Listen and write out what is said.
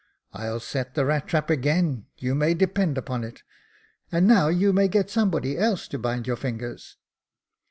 I'll set the rat trap again, you may depend upon it ; and now you may get somebody else to bind your fingers."